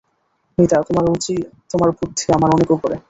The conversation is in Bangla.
মিতা, তোমার রুচি তোমার বুদ্ধি আমার অনেক উপরে।